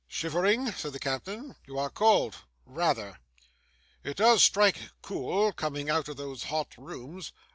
'Shivering?' said the captain. 'You are cold.' 'Rather.' 'It does strike cool, coming out of those hot rooms.